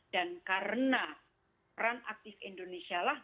dan karena peran aktif indonesia lah